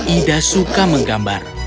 ida suka menggambar